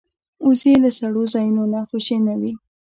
وزې له سړو ځایونو نه خوشې نه وي